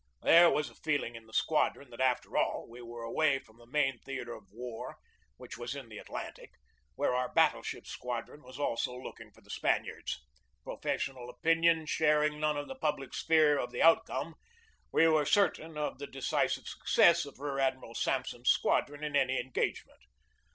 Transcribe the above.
There was a feeling in the squadron that, after all, we were away from the main theatre of war, which was in the Atlantic, where our battle ship squadron was also looking for the Spaniards. Pro fessional opinion sharing none of the public's fear 1 Appendix B. 238 GEORGE DEWEY of the outcome, we were certain of the decisive suc cess of Rear Admiral Sampson's squadron in any engagement.